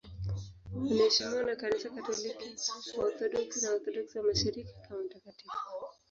Anaheshimiwa na Kanisa Katoliki, Waorthodoksi na Waorthodoksi wa Mashariki kama mtakatifu.